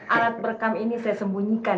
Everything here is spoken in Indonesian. alat berekam ini saya sembunyikan